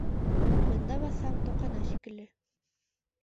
Бында баҫһаң, тоҡана шикелле...